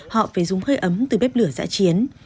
họ phải dùng hơi ấm từ bếp lửa giã chiến